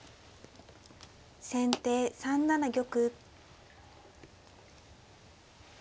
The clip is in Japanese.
先手３七玉。